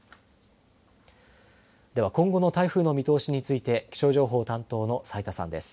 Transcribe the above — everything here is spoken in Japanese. では今後の台風の見通しについて気象情報担当の斉田さんです。